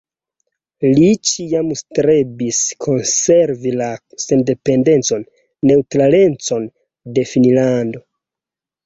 Li ĉiam strebis konservi la sendependecon, neŭtralecon de Finnlando.